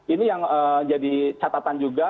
ini yang jadi catatan juga